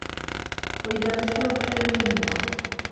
وَإِذا مَسَّهُ الخَيرُ مَنوعًا